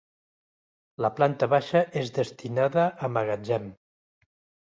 La planta baixa és destinada a magatzem.